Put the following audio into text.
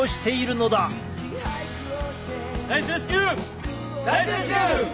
ナイスレスキュー！